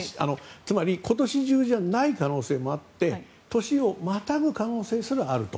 つまり今年中じゃない可能性もあって年をまたぐ可能性すらあると。